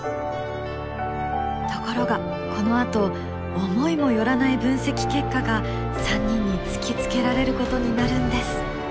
ところがこのあと思いも寄らない分析結果が３人に突きつけられることになるんです。